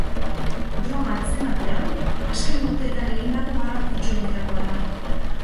Droga atzemate hau azken urteetan egindako garrantzitsuenetakoa da.